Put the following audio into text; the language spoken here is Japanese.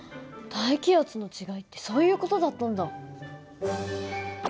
大気圧の違いってそういう事だったんだ。